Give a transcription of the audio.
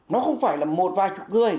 nó không phải là một vài chục người